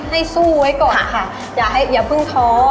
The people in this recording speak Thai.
สู้ไว้ก่อนค่ะอย่าเพิ่งท้อ